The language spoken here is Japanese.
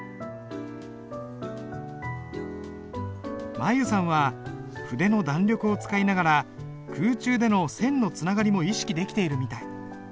舞悠さんは筆の弾力を使いながら空中での線のつながりも意識できているみたい。